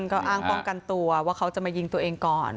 ก็อ้างป้องกันตัวว่าเขาจะมายิงตัวเองก่อน